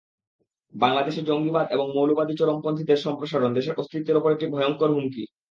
বাংলাদেশে জঙ্গিবাদ এবং মৌলবাদী চরমপন্থীদের সম্প্রসারণ দেশের অস্তিত্বের ওপর একটি ভয়ংকর হুমকি।